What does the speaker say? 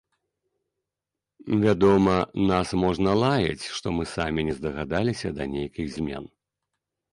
Вядома, нас можна лаяць, што мы самі не здагадаліся да нейкіх змен.